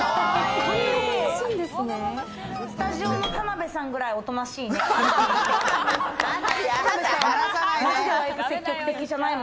スタジオの田辺さんくらい、おとなしい。